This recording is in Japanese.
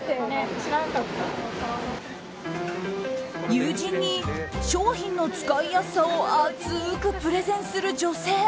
友人に商品の使いやすさを熱くプレゼンする女性。